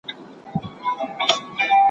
پلانونه په سمه توګه پلي سول.